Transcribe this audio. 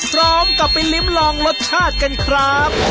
พร้อมกับไปลิ้มลองรสชาติกันครับ